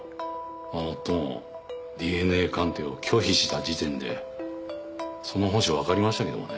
まぁもっともＤＮＡ鑑定を拒否した時点でその本性はわかりましたけどね。